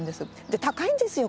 で高いんですよ